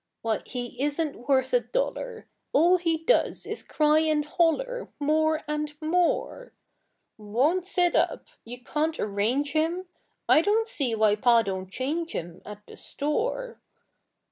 Why, he isn't worth a dollar! All he does is cry and holler More and more; Won't sit up you can't arrange him, I don't see why Pa do'n't change him At the store.